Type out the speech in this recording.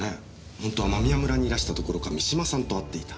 本当は間宮村にいらしたどころか三島さんと会っていた。